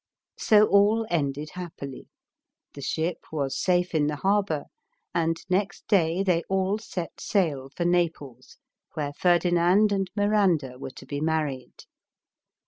So all ended happily. The ship was safe in the harbor, and next day they all set sail for Naples, where Ferdinand and Mir anda were to be married.